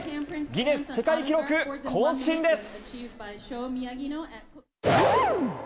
ギネス世界記録更新です。